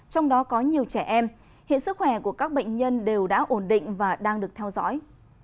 trong đó có nhiều trẻ em hiện sức khỏe của các bệnh nhân đều đã ổn định và đang được theo dõi